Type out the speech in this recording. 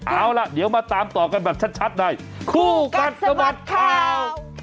เอาล่ะเดี๋ยวมาตามต่อกันแบบชัดในคู่กัดสะบัดข่าว